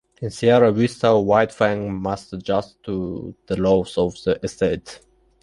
In Sierra Vista, White Fang must adjust to the laws of the estate.